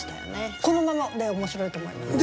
このままで面白いと思います。